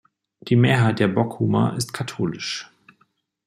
Die Mehrheit der Bockumer ist katholisch.